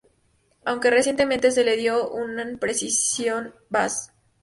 Aunque recientemente se le vio un precisión bass